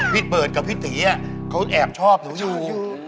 พี่เปิดกับพี่ตีเขาแอบชอบหนูอยู่